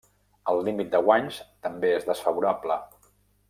El límit de guanys també és desfavorable.